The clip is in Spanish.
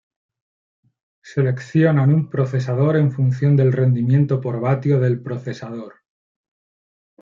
Seleccionan un procesador en función del rendimiento por vatio del procesador.